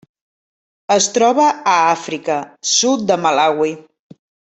Es troba a Àfrica: sud de Malawi.